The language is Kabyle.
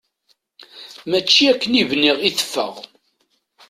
Mačči akken i bniɣ i teffeɣ.